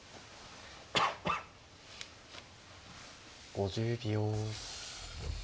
５０秒。